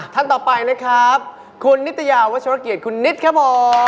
ท่านต่อไปนะครับคุณนิตยาวัชรเกียรติคุณนิดครับผม